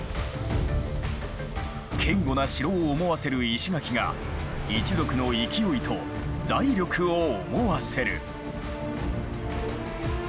堅固な城を思わせる石垣が一族の勢いと財力を思わせる。